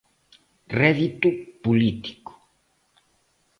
Rédito político.